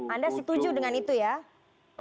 anda setuju dengan itu ya